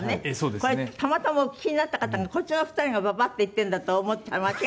これたまたまお聞きになった方がこっちの２人が「ばばあ」って言ってるんだと思ったら間違いで。